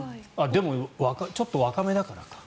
でも、ちょっと若めだからか。